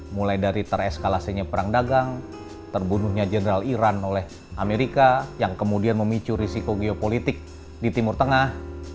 mulai dari tereskalasinya perang dagang terbunuhnya jenderal iran oleh amerika yang kemudian memicu risiko geopolitik di timur tengah